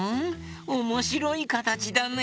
おもしろいかたちだね。